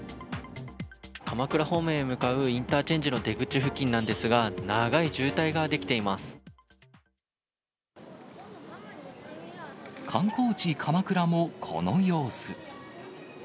鎌倉方面へ向かうインターチェンジの出口付近なんですが、観光地、鎌倉もこの様子。